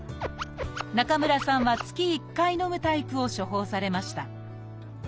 中村さんは月１回のむタイプを処方されました。